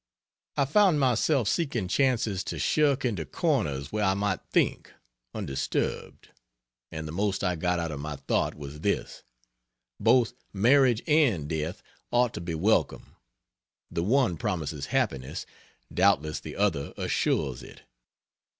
I found myself seeking chances to shirk into corners where I might think, undisturbed; and the most I got out of my thought, was this: both marriage and death ought to be welcome: the one promises happiness, doubtless the other assures it.